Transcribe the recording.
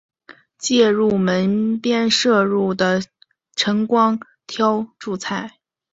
借由门边射入的晨光挑著菜